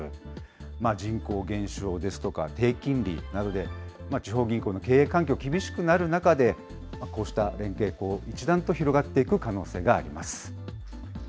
人口減少ですとか、低金利などで、地方銀行の経営環境、厳しくなる中で、こうした連携、一段と広がっていく可能性があります。